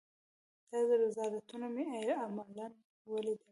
دا رذالتونه مې عملاً وليدل.